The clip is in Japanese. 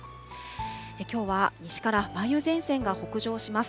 きょうは、西から梅雨前線が北上します。